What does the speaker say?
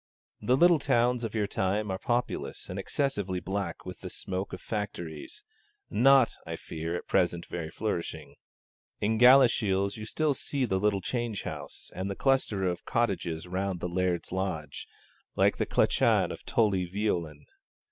The little towns of your time are populous and excessively black with the smoke of factories not, I fear, at present very flourishing. In Galashiels you still see the little change house and the cluster of cottages round the Laird's lodge, like the clachan of Tully Veolan.